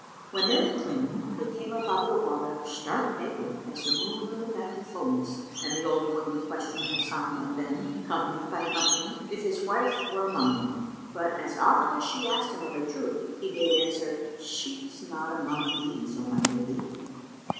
When they were clean, they came up out of the water, stark naked, as the moon on the night of fullness and the old woman questioned Hasan of them, company by company, if his wife were among them; but, as often as she asked him of a troop, he made answer, "She is not among these, O my lady."